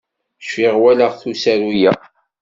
Cfiɣ walaɣ-t usaru-ya.